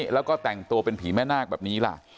แล้วก็แต่งตัวเป็นผีแม่นาคแบบนี้ล่ะ